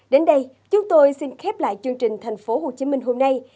đến đây chúng tôi xin khép lại chương trình thành phố hồ chí minh hôm nay